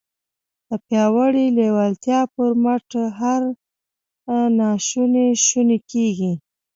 د پياوړې لېوالتیا پر مټ هر ناشونی شونی کېږي.